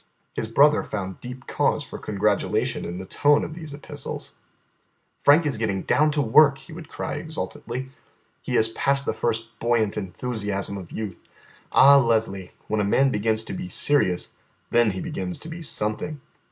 His brother found deep cause for congratulation in the tone of these epistles. "Frank is getting down to work," he would cry exultantly. "He is past the first buoyant enthusiasm of youth. Ah, Leslie, when a man begins to be serious, then he begins to be something."